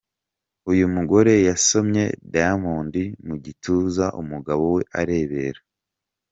Uyu mugore yasomye Diamond mu gituza umugabo we arebera.